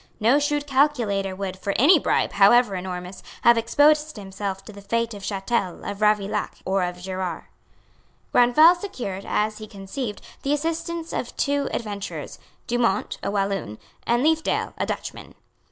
No shrewd calculator would, for any bribe, however enormous, have exposed himself to the fate of Chatel, of Ravaillac, or of Gerarts. Grandval secured, as he conceived, the assistance of two adventurers, Dumont, a Walloon, and Leefdale, a Dutchman.